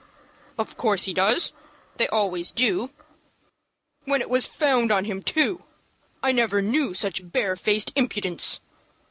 "Of course he does. They always do." "When it was found on him too! I never knew such barefaced impudence."